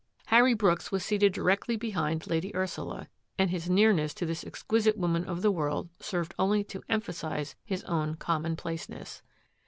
Harry Brooks was seated directly behind Lady Ursula, and his nearness to this exquisite woman of the world served only to emphasise his own commonplaceness.